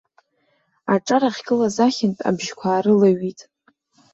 Аҿар ахьгылаз ахьынтә абжьқәа аарылҩҩт.